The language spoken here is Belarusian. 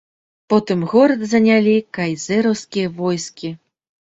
Потым горад занялі кайзераўскія войскі.